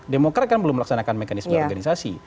demokrat kan belum melaksanakan mekanisme organisasi